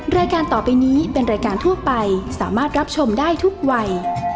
รายการต่อไปนี้เป็นรายการทั่วไปสามารถรับชมได้ทุกวัย